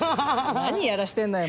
何やらしてんのよ